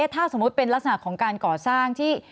ถ้าสมมุติเป็นลักษณะของการก่อสร้างที่